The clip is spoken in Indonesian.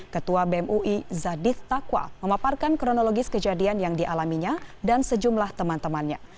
bem ui zadith taqwa memaparkan kronologis kejadian yang dialaminya dan sejumlah teman temannya